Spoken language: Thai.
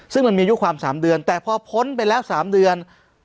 ซึ่งมันมีอายุความ๓เดือนแต่พอพ้นไปแล้ว๓เดือน